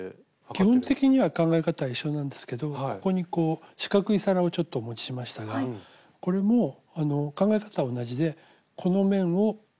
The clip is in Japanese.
基本的には考え方は一緒なんですけどここにこう四角い皿をちょっとお持ちしましたがこれも考え方は同じでこの面を形を同じように測る。